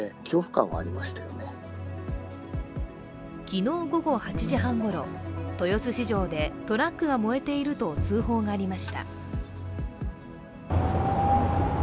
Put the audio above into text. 昨日午後８時半ごろ豊洲市場でトラックが燃えていると通報がありました。